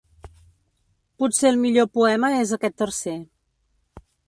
Potser el millor poema és aquest tercer.